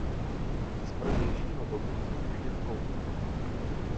Z protějšího domu se už jen kouřilo.